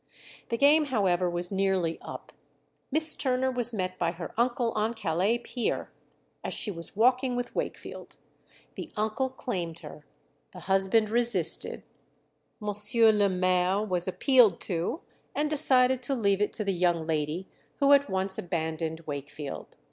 The game, however, was nearly up. Miss Turner was met by her uncle on Calais pier as she was walking with Wakefield. The uncle claimed her. The husband resisted. M. le Maire was appealed to, and decided to leave it to the young lady, who at once abandoned Wakefield.